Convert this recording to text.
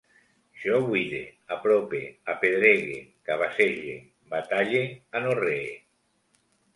Jo buide, aprope, apedregue, cabassege, batalle, anorree